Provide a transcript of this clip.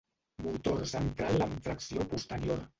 Motor central amb tracció posterior.